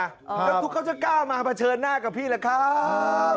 แล้วทุกเขาจะก้าวมาเผชิญหน้ากับพี่แหละครับ